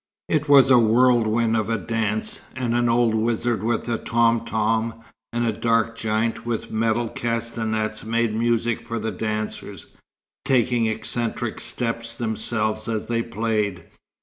It was a whirlwind of a dance, and an old wizard with a tom tom, and a dark giant with metal castanets made music for the dancers, taking eccentric steps themselves as they played.